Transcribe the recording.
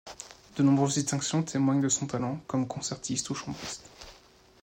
De nombreuses distinctions témoignent de son talent comme concertiste ou chambriste.